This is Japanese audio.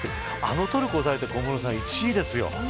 あのトルコを押さえて１位ですよ。